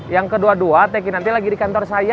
yang kedua dua tki nanti lagi di kantor saya